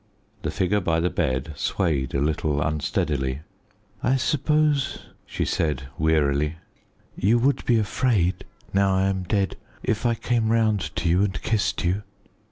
The figure by the bed swayed a little unsteadily. "I suppose," she said wearily, "you would be afraid, now I am dead, if I came round to you and kissed you?"